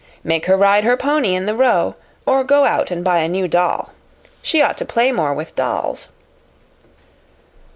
Make her ride her pony in the Row or go out and buy a new doll. She ought to play more with dolls."